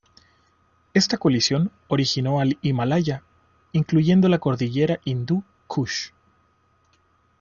Esta colisión originó al Himalaya, incluyendo la cordillera Hindú Kush.